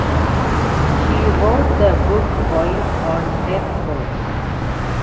He wrote the book while on death row.